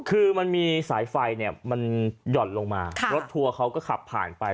คือมีสายไฟหย่อนลงมารดทัวร์เขาก็ขับผ่านไป